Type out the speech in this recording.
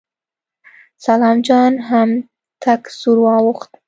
سلام جان هم تک سور واوښت.